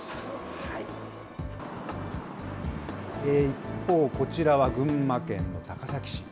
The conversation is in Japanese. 一方、こちらは群馬県の高崎市。